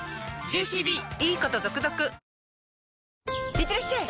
いってらっしゃい！